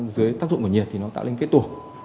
dưới tác dụng của nhiệt thì nó tạo lên kết tù